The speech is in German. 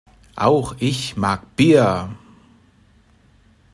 Auch ich mag Bier.